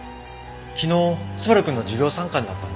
昨日昴くんの授業参観だったんですよね。